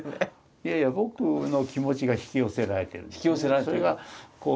いやいや僕の気持ちが引き寄せられてるんですよね。